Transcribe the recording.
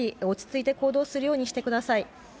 落ち着いて行動するようにしてください。